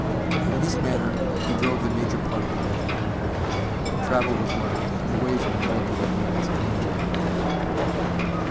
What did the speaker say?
In this manner he drove the major part of the afternoon. Travel was light, away from the elevated lanes and he enjoyed himself.